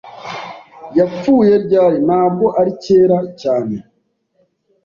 "Yapfuye ryari?" "Ntabwo ari kera cyane."